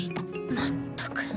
まったく。